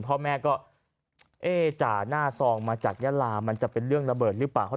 พ่อแม่ก็เอ๊ะจ่าหน้าซองมาจากยาลามันจะเป็นเรื่องระเบิดหรือเปล่า